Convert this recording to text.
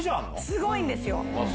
すごいんですよ。